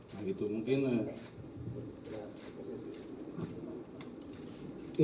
nah gitu mungkin